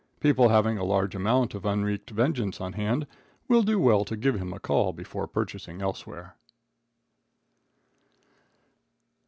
People having a large amount of unwreaked vengeance on hand will do well to give him a call before purchasing elsewhere.